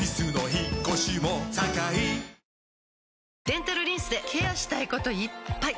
デンタルリンスでケアしたいこといっぱい！